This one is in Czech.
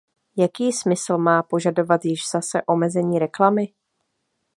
Jaký smysl má požadovat již zase omezení reklamy?